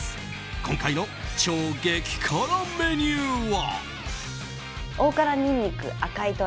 今回の超激辛メニューは。